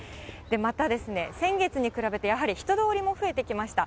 また、先月に比べて、やはり人通りも増えてきました。